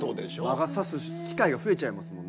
魔が差す機会が増えちゃいますもんね。